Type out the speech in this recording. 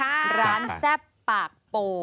ร้านแซ่บปากโป